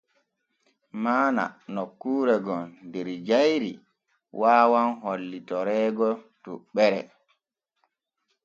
Maana nokkuure gon der jayri waawan hollitoreego toɓɓere.